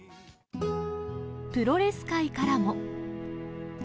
プロレス界からも。